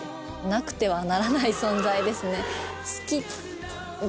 なくてはならない存在ですね。